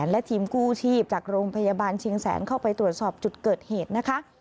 และทีมกู้ชีพจากโรงพยาบาลเชียงแสนเข้าไปตรวจสอบจุดเกิดเหตุนะคะ